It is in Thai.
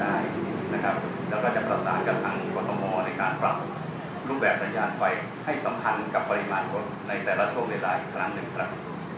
แล้วก็จะประสานกับทางกรทมในการปรับรูปแบบสัญญาณไฟให้สัมพันธ์กับปริมาณรถในแต่ละช่วงเวลาอีกครั้งหนึ่งครับ